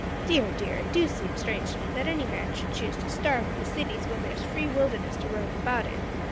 Dear, dear, it do seem strange to me that any man should choose to starve in the cities when there's the free wilderness to roam about in.